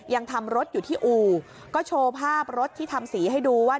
ยังทำรถอยู่ที่อู่ก็โชว์ภาพรถที่ทำสีให้ดูว่า